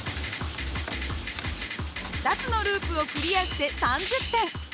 ２つのループをクリアして３０点。